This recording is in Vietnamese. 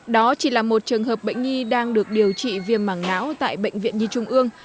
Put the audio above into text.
đó chỉ là một trường hợp bệnh nhi đang được điều trị viêm mảng não tại bệnh viện nhi trung ương